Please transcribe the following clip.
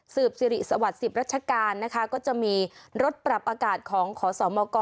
สืบสิริสวัสดิ์สิบรัชกาลนะคะก็จะมีรถปรับอากาศของขอสอมเมากอ